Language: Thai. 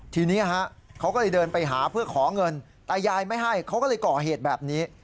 ทีนี้เขาก็เลยเดินไปหาเพื่อขอเงินแต่ยายไม่ให้เขาก็เลยก่อเหตุแบบนี้